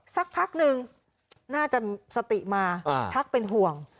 สักพักนึงน่าจะสติมาชักเป็นห่วง